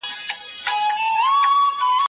زه به سبا موسيقي اورم؟!